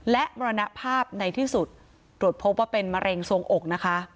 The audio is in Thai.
และมรณภาพในที่สุดตรวจพบว่าเป็นมะเร็งทรงอกนะคะ